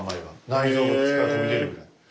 内臓が口から飛び出るぐらい。